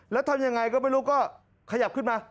แล้วทำยังไงก็ไม่รู้ก็ขยับขึ้นมา